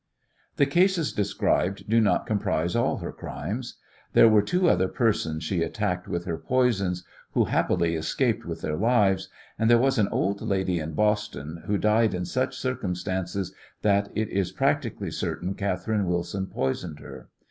The cases described do not comprise all her crimes. There were two other persons she attacked with her poisons who happily escaped with their lives, and there was an old lady in Boston who died in such circumstances that it is practically certain Catherine Wilson poisoned her.